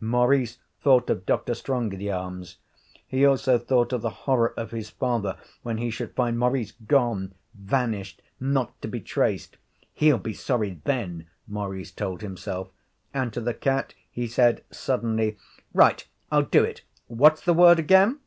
Maurice thought of Dr. Strongitharm's. He also thought of the horror of his father when he should find Maurice gone, vanished, not to be traced. 'He'll be sorry, then,' Maurice told himself, and to the cat he said, suddenly: 'Right I'll do it. What's the word, again?'